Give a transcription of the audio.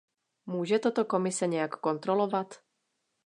Může toto Komise nějak kontrolovat?